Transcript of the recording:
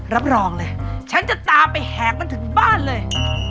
รับรองเลยฉันจะตามไปแหกมันถึงบ้านเลย